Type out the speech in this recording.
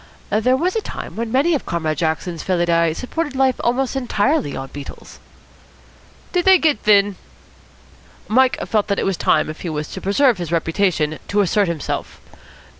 "There was a time when many of Comrade Jackson's felidae supported life almost entirely on beetles." "Did they git thin?" Mike felt that it was time, if he was to preserve his reputation, to assert himself.